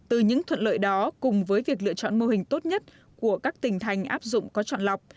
từ những thuận lợi đó cùng với việc lựa chọn mô hình tốt nhất của các tỉnh thành áp dụng có chọn lọc